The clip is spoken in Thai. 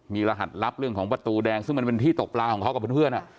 มีรหัสลับเรื่องของประตูแดงซึ่งมันเป็นที่ตกปลาของเขากับเพื่อน